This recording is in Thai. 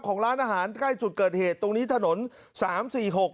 ของร้านอาหารใกล้จุดเกิดเหตุตรงนี้ถนนสามสี่หก